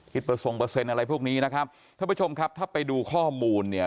เปอร์ทรงเปอร์เซ็นต์อะไรพวกนี้นะครับท่านผู้ชมครับถ้าไปดูข้อมูลเนี่ย